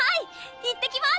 いってきます！